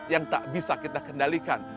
yang tak bisa kita kendalikan